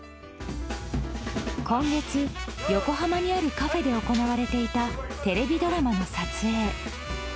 今月、横浜にあるカフェで行われていたテレビドラマの撮影。